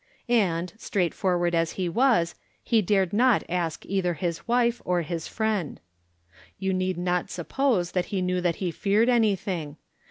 And, straightforward as he was, he dared not ask either his wife, or his 188 I'rom Different Standpoints. friend. You need not suppose tliat he knew that he feared anything.